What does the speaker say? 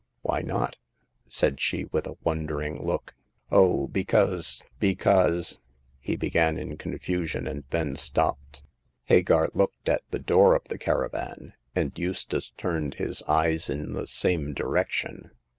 *'Why not ?" said she, with a wondering look. Oh, because, because " he began, in con fusion, and then stopped. Hagar looked at the door of the caravan, and Eustace turned his eyes in the same direction.